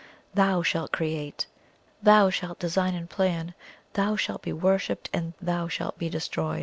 THOU shalt create; THOU shalt design and plan; THOU shalt be worshipped, and THOU shalt destroy!